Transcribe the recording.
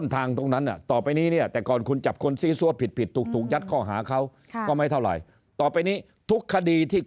ต้องไปนี้ทุกคดีที่